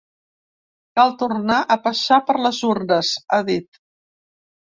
Cal tornar a passar per les urnes, ha dit.